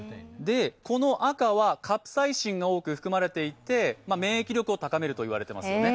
赤はカプサイシンが多く含まれていて免疫力を高めると言われていますね。